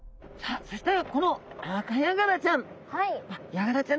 そしてこのアカヤガラちゃん。